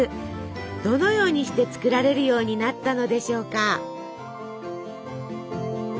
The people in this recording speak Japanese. どのようにして作られるようになったのでしょうか。